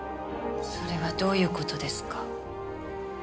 それはどういう事ですか？